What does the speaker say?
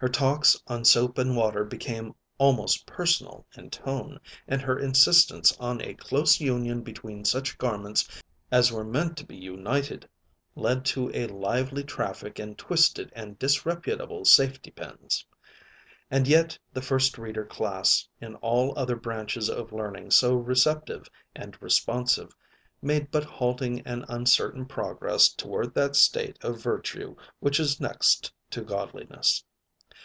Her talks on soap and water became almost personal in tone, and her insistence on a close union between such garments as were meant to be united, led to a lively traffic in twisted and disreputable safety pins. And yet the First Reader Class, in all other branches of learning so receptive and responsive, made but halting and uncertain progress toward that state of virtue which is next to godliness.